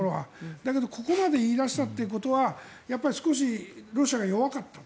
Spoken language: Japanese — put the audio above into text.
だけどここまで言い出したっていうことはやっぱり少しロシアが弱かったと。